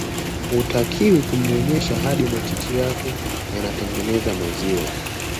Hutakiwa kumnyonyesha hadi matiti yake yanatengeneza maziwa